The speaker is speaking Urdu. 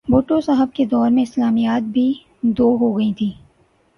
بھٹو صاحب کے دور میں اسلامیات بھی دو ہو گئی تھیں۔